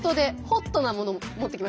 ホットなもの？